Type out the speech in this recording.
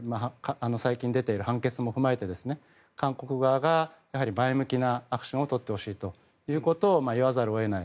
最近出ている判決も踏まえて韓国側が前向きなアクションを取ってほしいということを言わざるを得ない。